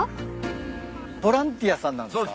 ボランティアさんなんすか？